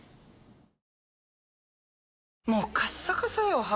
もうカッサカサよ肌。